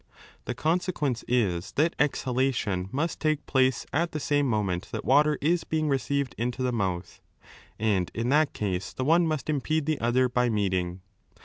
The consequence is that exhalation must take place at the same moment that water is being received into the mouth, and in that case the one must impede the other by meeting.